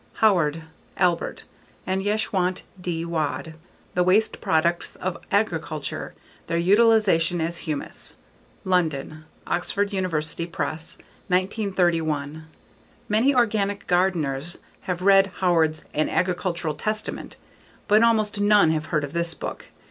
Howard, Albert and Yeshwant D. Wad. _The Waste Products of Agriculture: Their Utilization as Humus. _London: Oxford University Press, 1931. Many organic gardeners have read Howard's _An Agricultural Testament, _but almost none have heard of this book.